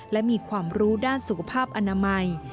และมีความรู้ด้านสุขภาพอนามัย